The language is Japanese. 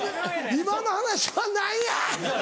今の話は何や‼